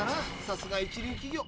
さすが一流企業。